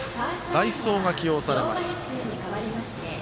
代走が起用されます。